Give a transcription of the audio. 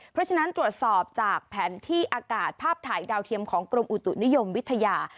เพราะฉะนั้นตรวจสอบจากแผนที่อากาศภาพถ่ายดาวเทียมของกรมอุตุนิยมวิทยา